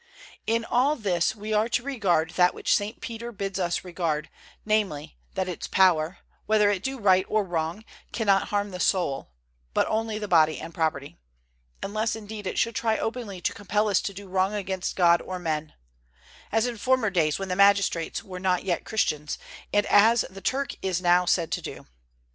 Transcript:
In all this we are to regard that which St. Peter bids us regard, namely, that its power, whether it do right or wrong, cannot harm the soul, but only the body and property; unless indeed it should try openly to compel us to do wrong against God or men; as in former days when the magistrates were not yet Christians, and as the Turk is now said to do.